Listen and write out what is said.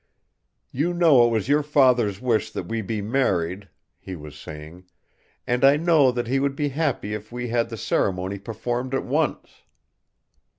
"You know it was your father's wish that we be married," he was saying, "and I know that he would be happy if we had the ceremony performed at once."